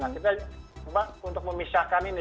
nah kita untuk memisahkan ini